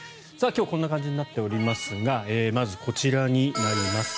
今日はこんな感じになっておりますがまず、こちらになります。